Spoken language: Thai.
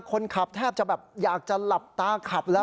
คนขับแทบจะแบบอยากจะหลับตาขับแล้ว